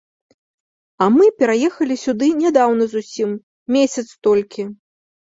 А мы пераехалі сюды нядаўна зусім, месяц толькі.